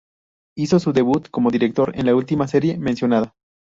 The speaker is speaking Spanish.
Hizo su debut como director en la última serie mencionada.